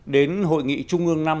đến hội nghị trung ương năm